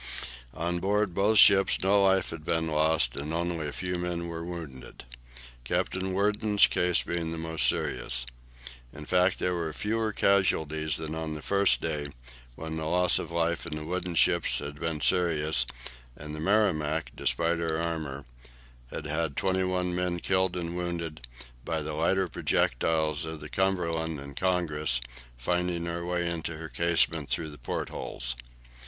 On board both ships no life had been lost, and only a few men were wounded, Captain Worden's case being the most serious. In fact, there were fewer casualties than on the first day, when the loss of life in the wooden ships had been serious, and the "Merrimac," despite her armour, had had twenty one men killed and wounded by the lighter projectiles of the "Cumberland" and "Congress" finding their way into her casemate through the port holes.